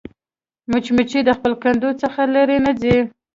مچمچۍ د خپل کندو څخه لیرې نه ځي